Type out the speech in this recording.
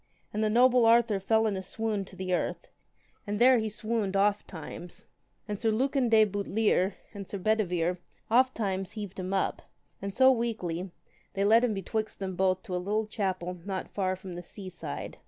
And the noble Arthur fell in a swoon to the earth, and there he swooned oft times. And Sir Lucan de Butlere and Sir Bedivere oft times heaved him up, and so weakly they led him betwixt them both to a little chapel not far from the sea side.